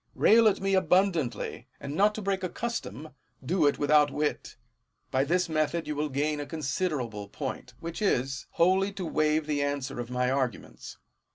Rail at me abundantly ; and, not to break a custom, do it without wit : by this method you will gain a considerable point, which is, wholly to waive the answer of my arguments.